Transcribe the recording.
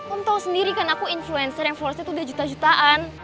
om tau sendiri kan aku influencer yang floristnya tuh udah juta jutaan